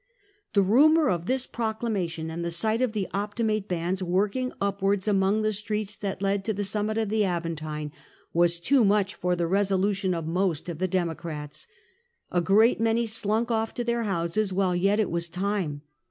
The rumour of this proclamation, and the sight of the Optimate bands working upwards among the streets that lead to the summit of the Aventine, was too much for the resolution of most of the Democrats. A great many slunk off to their houses while yet it was time.